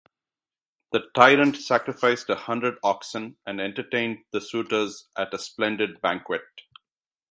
The tyrant sacrificed a hundred oxen and entertained the suitors at a splendid banquet.